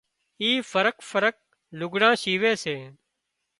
اي فرق فرق لگھڙان شيوي سي